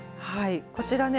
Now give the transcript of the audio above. こちらね